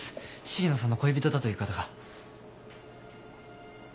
重野さんの恋人だという方が。